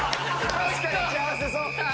確かに幸せそう！